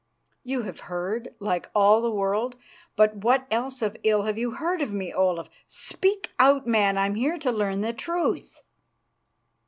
"You have heard, like all the world. But what else of ill have you heard of me, Olaf? Speak out, man; I'm here to learn the truth."